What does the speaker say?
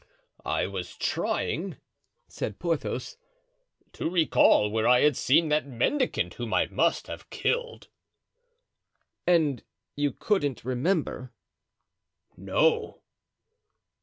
"I was trying," said Porthos, "to recall where I had seen that mendicant whom I must have killed." "And you couldn't remember?" "No."